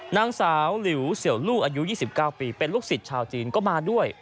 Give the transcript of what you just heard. นางสาวหลิวเสี่ยวลูกอายุ๒๙ปีเป็นลูกศิษย์ชาวจีนก็มาด้วย